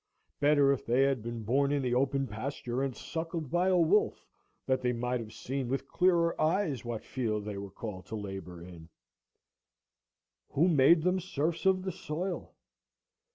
Better if they had been born in the open pasture and suckled by a wolf, that they might have seen with clearer eyes what field they were called to labor in. Who made them serfs of the soil?